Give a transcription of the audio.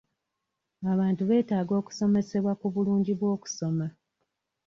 Abantu beetaga okusomesebwa ku bulungi bw'okusoma.